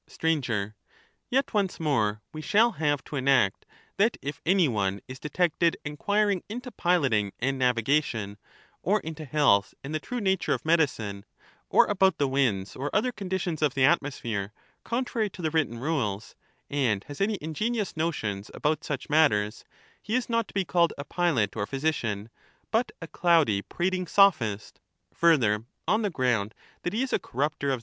Sir. Yet once more, we shall have to enact that if any one is detected enquiring into piloting and navigation, or into health and the true nature of medicine, or about the winds, Digitized by VjOOQIC from the exclusive regime of law. 503 or other conditions of the atmosphere, contrary to the written Statesman, rules, and has any ingenious notions about such matters, he Stkancbr, is not to be called a pilot or physician, but a cloudy prating ^^^te». sophist ;— further, on the ground that he is a corrupter of ^.